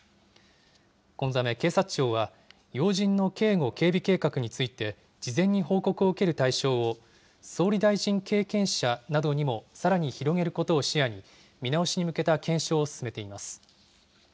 このため警察庁は、要人の警護・警備計画について、事前に報告を受ける対象を、総理大臣経験者などにもさらに広げることを視野に、見直しに向けた検証を進めています。